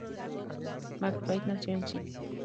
McBride nació en St.